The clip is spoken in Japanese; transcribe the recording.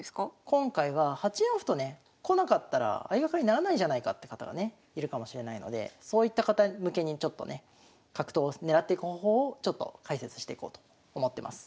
今回は８四歩とねこなかったら相掛かりにならないじゃないかって方がねいるかもしれないのでそういった方向けにちょっとね角頭を狙っていく方法をちょっと解説していこうと思ってます。